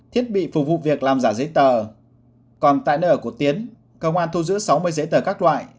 thiết bị phục vụ việc làm giả giấy tờ còn tại nơi ở của tiến công an thu giữ sáu mươi giấy tờ các loại